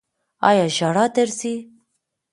ایا ژړا درځي؟